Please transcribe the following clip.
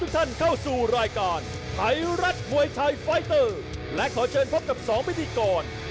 ไทยรัฐมวยไทยไฟเตอร์